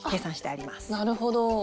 あなるほど。